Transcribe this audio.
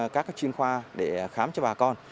các chuyên khoa để khám cho bà con